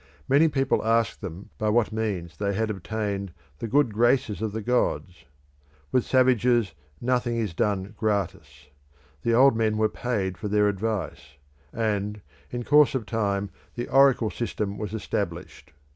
Many people asked them by what means they had obtained the good graces of the gods. With savages nothing is done gratis; the old men were paid for their advice; and in course of time the oracle system was established.